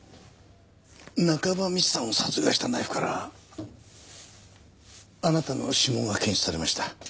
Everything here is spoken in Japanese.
中葉美智さんを殺害したナイフからあなたの指紋が検出されました。